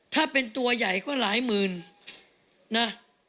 ถ้าเป็นตัวใหญ่ก็หลายหมื่นนะ